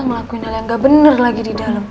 ngelakuin hal yang gak bener lagi di dalem